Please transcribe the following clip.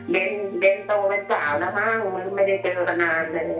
เบนโตไม่เจานะฮะไม่ได้เจอกันคราวนั้น